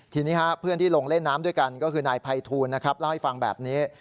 ทีนี้เพื่อนที่ลงเล่นน้ำด้วยกันก็คือนายภัยทูลนะครับเล่าให้ฟังแบบนี้